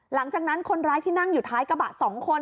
หลังจากนั้นคนร้ายที่นั่งอยู่ท้ายกระบะ๒คน